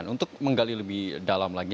untuk menggali lebih dalam lagi